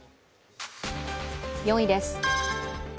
４位です。